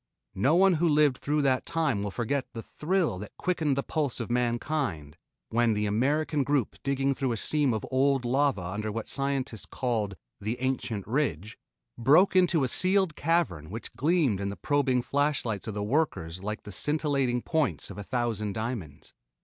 No one who lived through that time will forget the thrill that quickened the pulse of mankind when the American group digging through a seam of old lava under what scientists call the "ancient ridge," broke into a sealed cavern which gleamed in the probing flashlights of the workers like the scintillating points of a thousand diamonds.